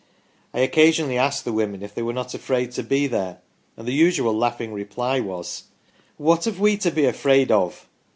I occasionally asked the women if they were not afraid to be there, and the usual laughing reply was :' What have we to be afraid of